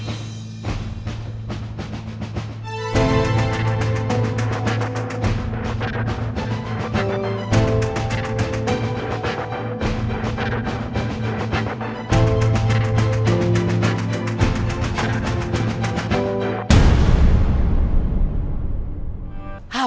tunggu ya put